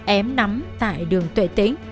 ém nắm tại đường tuệ tính